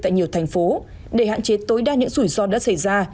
tại nhiều thành phố để hạn chế tối đa những rủi ro đã xảy ra